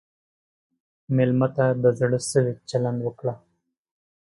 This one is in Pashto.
مېلمه ته د زړه سوي چلند وکړه.